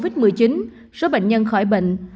số bệnh nhân khỏi bệnh nhân đã được công bố khỏi bệnh nhân